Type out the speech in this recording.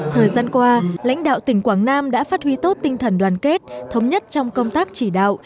thời gian qua lãnh đạo tỉnh quảng nam đã phát huy tốt tinh thần đoàn kết thống nhất trong công tác chỉ đạo